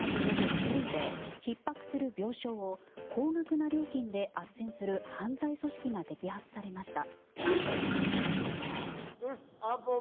ペルーでひっ迫する病床を高額な料金であっせんする犯罪組織が摘発されました。